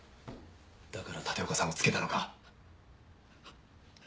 だから立岡さんをつけたのか？